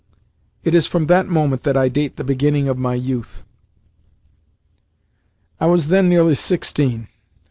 It is from that moment that I date the beginning of my youth. I was then nearly sixteen.